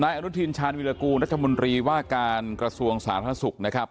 อนุทินชาญวิรากูลรัฐมนตรีว่าการกระทรวงสาธารณสุขนะครับ